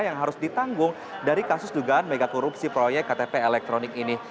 yang harus ditanggung dari kasus dugaan megakorupsi proyek ktp elektronik ini